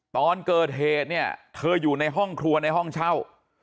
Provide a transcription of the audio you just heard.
ตอนเกิดเหตุเนี่ยเธออยู่ในห้องครัวในห้องเช่า